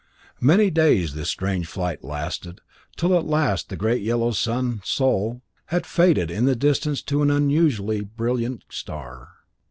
Many days this strange flight lasted, till at last the great yellow sun, Sol, had faded in the distance to an unusually brilliant star.